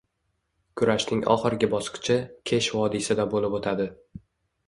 Kurashning oxirgi bosqichi Kesh vodiysida bo‘lib o‘tadi.